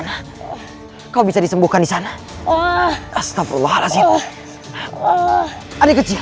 jika kau mampu menyentuhku pengecut seperti kalian hanya bisa keroyokan